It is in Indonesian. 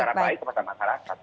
secara baik kepada masyarakat